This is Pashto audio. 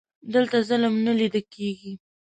دلته ظلم نه لیده کیږي.